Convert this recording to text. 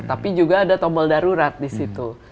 tapi juga ada tombol darurat di situ